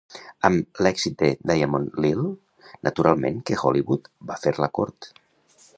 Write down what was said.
Amb l'èxit de "Diamond Lil", naturalment que Hollywood va fer la cort.